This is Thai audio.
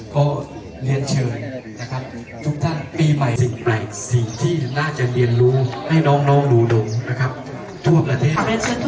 ก็เรียนเชิญนะครับทุกท่านปีใหม่สิ่งแปลกสิ่งที่น่าจะเรียนรู้ให้น้องรูดงนะครับทั่วประเทศ